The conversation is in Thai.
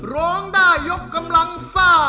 ร้องได้ยกกำลังซ่า